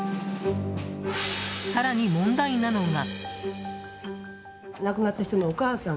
更に問題なのが。